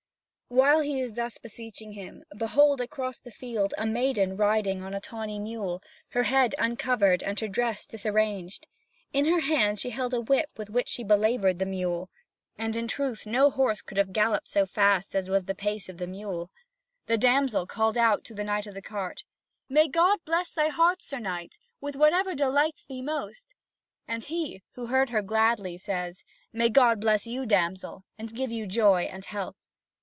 (Vv. 2793 2978.) While he is thus beseeching him, behold across the field a maiden riding on a tawny mule, her head uncovered and her dress disarranged. In her hand she held a whip with which she belaboured the mule; and in truth no horse could have galloped so fast as was the pace of the mule. The damsel called out to the Knight of the Cart: "May God bless thy heart, Sir Knight, with whatever delights thee most!" And he, who heard her gladly, says: "May God bless you, damsel, and give you joy and health!"